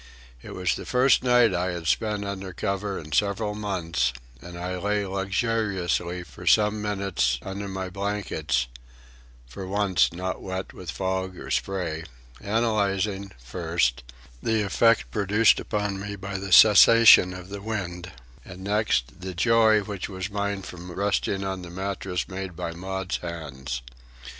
It was the first night I had spent under cover in several months, and I lay luxuriously for some minutes under my blankets (for once not wet with fog or spray), analysing, first, the effect produced upon me by the cessation of the wind, and next, the joy which was mine from resting on the mattress made by Maud's hands.